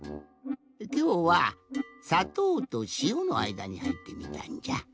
きょうはさとうとしおのあいだにはいってみたんじゃ。